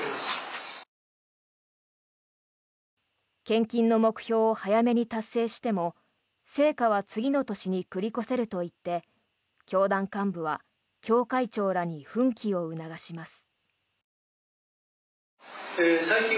献金の目標を早めに達成しても成果は次の年に繰り越せると言って教団幹部は教会長らに奮起を促します。